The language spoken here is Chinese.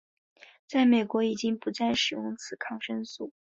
在美国已经不再使用此抗生素。